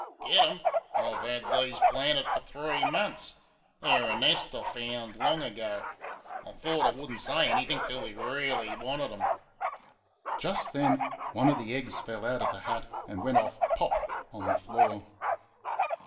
"Get 'em! I've had these planted for three munce they're a nest I found long ago; I thought I would n't say anythink till we really wanted 'em." Just then one of the eggs fell out of the hat and went off "pop" on the floor.